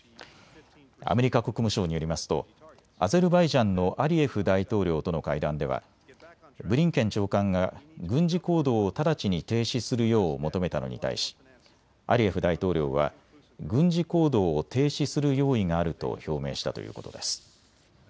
アメリカ国務省によりますとアゼルバイジャンのアリエフ大統領との会談ではブリンケン長官が軍事行動を直ちに停止するよう求めたのに対しアリエフ大統領は軍事行動を停止する用意があると表明したということです。